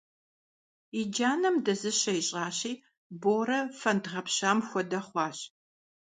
И джанэм дэзыщэ ищӏащи, Борэ фэнд гъэпщам хуэдэ хъуащ.